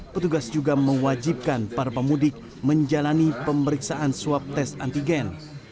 petugas juga mewajibkan para pemudik menjalani pemeriksaan swab tes antigen